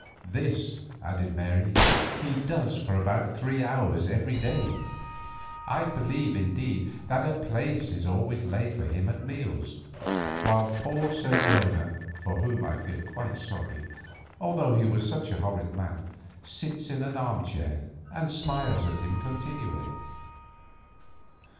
"This," added Mary, "he does for about three hours every day. I believe, indeed, that a place is always laid for him at meals, while poor Sir Jonah, for whom I feel quite sorry, although he was such a horrid man, sits in an armchair and smiles at him continually."